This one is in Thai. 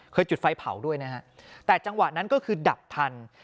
จุดไฟเผาด้วยนะฮะแต่จังหวะนั้นก็คือดับทัน